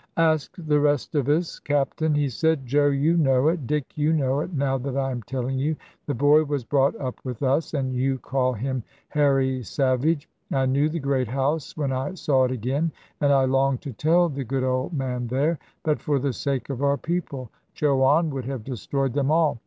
"Ask the rest of us, Captain," he said; "Joe, you know it; Dick, you know it; now that I am telling you. The boy was brought up with us, and you call him Harry Savage. I knew the great house when I saw it again. And I longed to tell the good old man there; but for the sake of our people. Chouane would have destroyed them all.